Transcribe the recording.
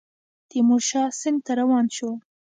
تیمورشاه سند ته روان شو.